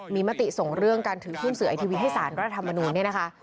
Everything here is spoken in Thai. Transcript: มีมติส่งเรื่องการถือหุ้นสื่อไอทีวีให้สารรัฐธรรมนูลเนี่ยนะคะ